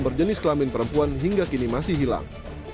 berjenis kelamin perempuan hingga kini masih hilang